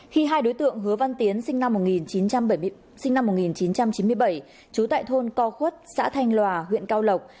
khi hai đối tượng hứa văn tiến sinh năm một nghìn chín trăm chín mươi bảy chú tại thôn co khuất xã thanh lòa huyện cao lộc